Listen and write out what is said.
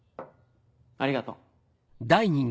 ありがとう。